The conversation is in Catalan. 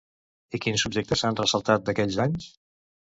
I quins objectes s'han ressaltat d'aquells anys?